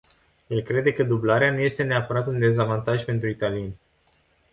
El crede că dublarea nu este neapărat un dezavantaj pentru italieni.